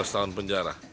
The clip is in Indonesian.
lima belas tahun penjara